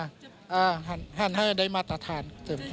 อ่าหันให้ได้มาตรฐาน